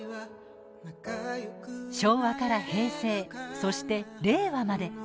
昭和から平成、そして令和まで。